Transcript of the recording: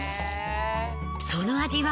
その味は。